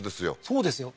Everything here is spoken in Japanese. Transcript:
そうですよ